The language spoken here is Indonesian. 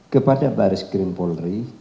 kepada baris krim polri